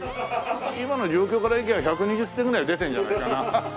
今の状況からいきゃあ１２０点ぐらい出てるんじゃないかな。